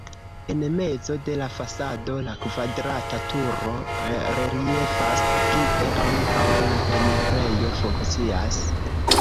En mezo de la fasado la kvadrata turo reliefas, kie ankaŭ la enirejo funkcias.